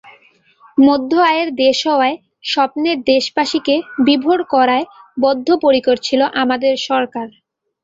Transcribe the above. মধ্য আয়ের দেশ হওয়ার স্বপ্নে দেশবাসীকে বিভোর করায় বদ্ধপরিকর ছিল আমাদের সরকার।